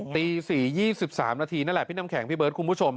ตี๔๒๓นาทีนั่นแหละพี่น้ำแข็งพี่เบิร์ดคุณผู้ชม